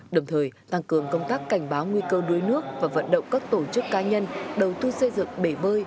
đồng thời tăng cường công tác cảnh báo nguy cơ đuối nước và vận động các tổ chức ca nhân đầu tư xây dựng bể bơi